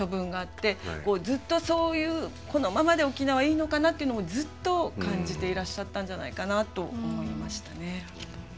ずっとそういうこのままで沖縄いいのかなっていうのをずっと感じていらっしゃったんじゃないかなと思いましたね。